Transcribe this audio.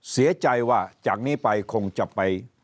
เสียใจว่าจากนี้ไปคงจะไป